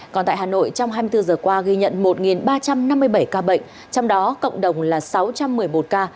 còn tại hà nội trong hai mươi bốn giờ qua ghi nhận một ba trăm năm mươi bảy ca bệnh trong đó cộng đồng là sáu trăm một mươi một ca